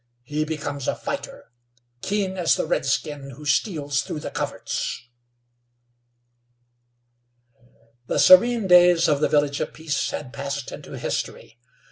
He becomes a fighter, keen as the redskin who steals through the coverts." The serene days of the Village of Peace had passed into history.